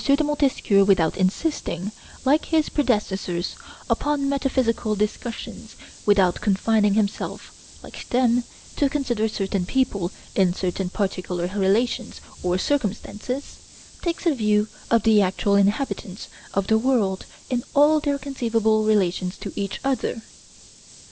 de Montesquieu, without insisting, like his predecessors, upon metaphysical discussions, without confining himself, like them, to consider certain people in certain particular relations or circumstances, takes a view of the actual inhabitants of the world in all their conceivable relations to each other.